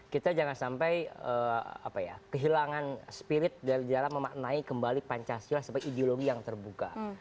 kita jangan sampai kehilangan spirit dalam memaknai kembali pancasila sebagai ideologi yang terbuka